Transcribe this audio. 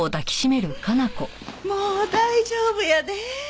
もう大丈夫やで。